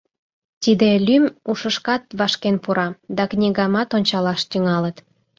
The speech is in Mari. Тиде лӱм ушышкат вашкен пура да книгамат ончалаш тӱҥалыт”.